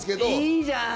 いいじゃん！